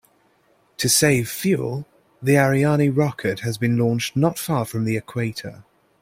To save fuel, the Ariane rocket has been launched not far from the equator.